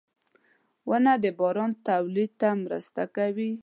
• ونه د باران تولید ته مرسته کوي.